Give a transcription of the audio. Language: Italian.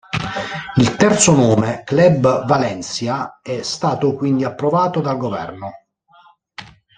Il terzo nome, Club Valencia, è stato quindi approvato dal governo.